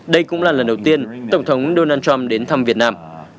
đây cũng là lần đầu tiên tổng thống donald trump đến thăm việt nam